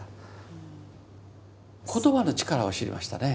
言葉の力を知りましたね。